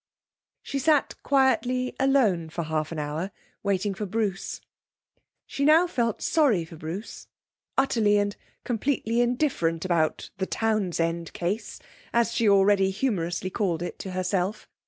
She sat quietly alone for half an hour, waiting for Bruce. She now felt sorry for Bruce, utterly and completely indifferent about 'the Townsend case', as she already humorously called it to herself.